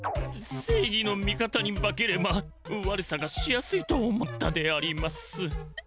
せいぎの味方に化ければ悪さがしやすいと思ったであります。